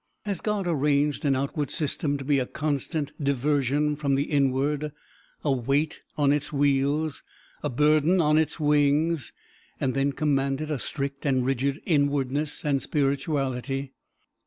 Has God arranged an outward system to be a constant diversion from the inward a weight on its wheels a burden on its wings and then commanded a strict and rigid inwardness and spirituality?